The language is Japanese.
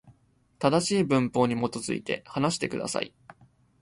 正しい文法に基づいて、話してください。